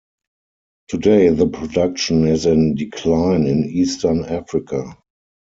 Today the production is in decline in eastern Africa.